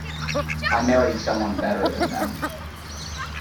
I married someone better than them.